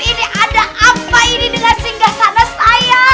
ini ada apa ini dengan singgah sana saya